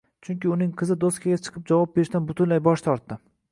Chunki uning qizi doskaga chiqib javob berishdan butunlay bosh tortdi.